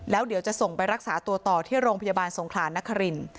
แล้วเดี๋ยวจะส่งไปรักษาตัวต่อที่โรงพยาบาลสงครานนคริน